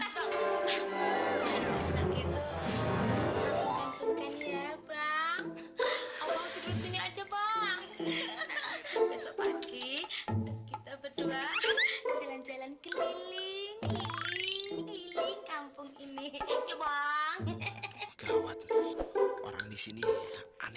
sampai jumpa di video selanjutnya